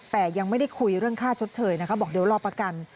แต่ยังไม่ได้คุยเรื่องค่าชดเชยนะคะบอกเดี๋ยวรอประกัน